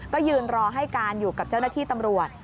ก็ยืนรอให้การอยู่กับเจ้าหน้าที่ตำรวจ